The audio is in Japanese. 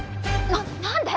な何で？